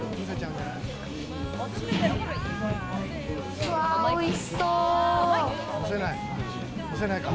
うわ、おいしそう！